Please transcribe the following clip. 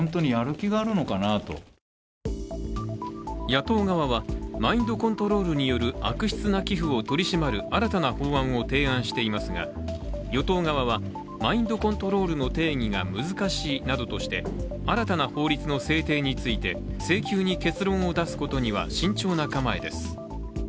野党側はマインドコントロールによる悪質な寄付を取り締まる新たな法案を提案していますが与党側は、マインドコントロールの定義が難しいなどとして新たな法律の制定について、性急に結論を出すことには慎重な構えです。